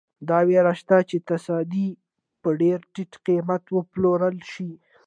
دا وېره شته چې تصدۍ په ډېر ټیټ قیمت وپلورل شي.